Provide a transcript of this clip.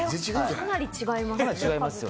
かなり違いますね。